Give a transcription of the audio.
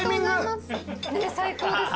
最高ですね。